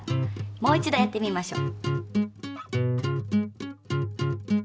もう一度やってみましょう。